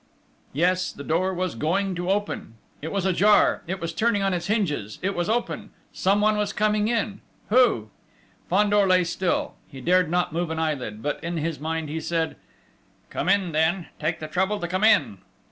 Yes, the door was going to open!... It was ajar ... it was turning on its hinges it was open.... Someone was coming in.... Who?... Fandor lay still he dared not move an eyelid; but in his mind he said: "Come in, then! Take the trouble to come in!"